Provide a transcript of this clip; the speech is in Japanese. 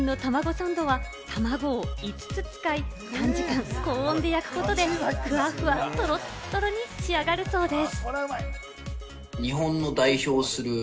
サンドは、たまごを５つ使い、短時間・高温で焼くことで、ふわふわトロトロに仕上がるそうです。